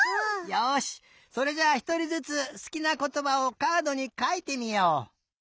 よしそれじゃあひとりずつすきなことばをカードにかいてみよう。